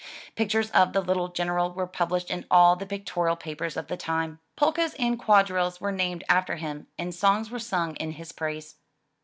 Pictures of the little General were published in all the pictorial papers of the time. Polkas and quadrilles were named after him and songs were sung in his praise.